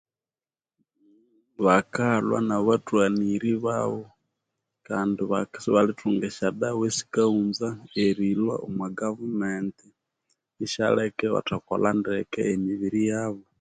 Bwakalha nabathwaniri babo kandi bakasibalithunga eshodawa sikaghunza erilhwa omugavumenti ishaleka ibathakolha ndeke imibiri yabo